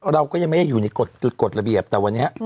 เราก็ยังไม่ได้อยู่ในกฎระเบียบแต่วันนี้